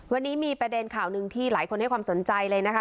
วันนี้มีประเด็นข่าวหนึ่งที่หลายคนให้ความสนใจเลยนะคะ